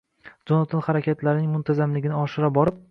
Jonatan harakatlarining muntazamligini oshira borib